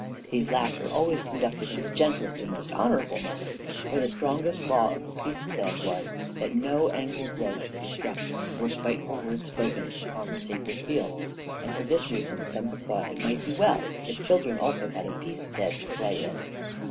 These last were always conducted in the gentlest and most honorable manner; for the strongest law of the Peacestead was, that no angry blow should be struck, or spiteful word spoken, upon the sacred field; and for this reason some have thought it might be well if children also had a Peacestead to play in.